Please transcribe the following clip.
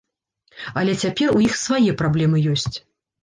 Але цяпер у іх свае праблемы ёсць.